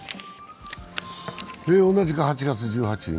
同じく８月１８日